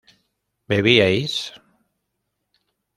¿bebíais?